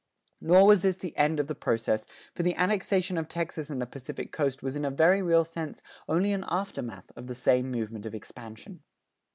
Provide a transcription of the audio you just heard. Nor was this the end of the process, for the annexation of Texas and the Pacific Coast was in a very real sense only an aftermath of the same movement of expansion.